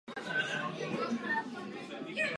Stávaly zpravidla v odlehlých místech.